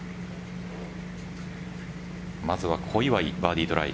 まずは小祝、バーディートライ。